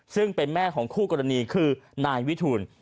ซึ่งเป็นแม่ของคู่กรณีคือนายวิทูล